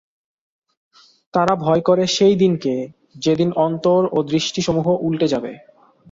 তারা ভয় করে সেই দিনকে, যে দিন অন্তর ও দৃষ্টি সমুহ উল্টে যাবে।